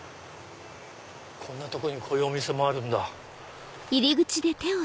こんなとこにこういうお店もあるんだ。